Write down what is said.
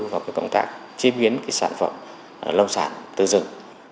vào công tác chế biến sản phẩm lâm sản từ rừng